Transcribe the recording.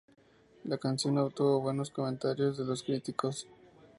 La canción obtuvo buenos comentarios de los críticos.